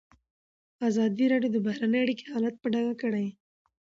ازادي راډیو د بهرنۍ اړیکې حالت په ډاګه کړی.